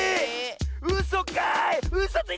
うそかい！